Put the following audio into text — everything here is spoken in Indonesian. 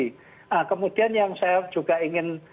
nah kemudian yang saya juga ingin